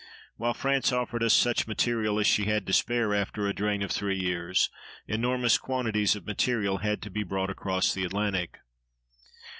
While France offered us such material as she had to spare after a drain of three years, enormous quantities of material had to be brought across the Atlantic.